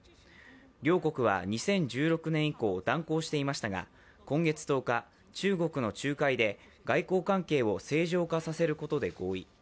両国は２０１６年以降、断交していましたが今月１０日、中国の仲介で外交関係を正常化させることで合意。